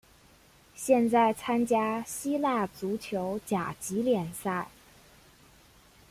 现在参加希腊足球甲级联赛。